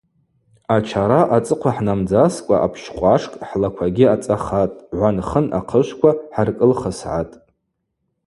Ачара ацӏыхъва хӏнамдзаскӏва апщкъвашкӏ хӏлаквагьи ацӏахатӏ, гӏван-хын ахъышвква хӏыркӏылхысгӏатӏ.